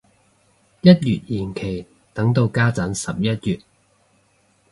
一月延期等到家陣十一月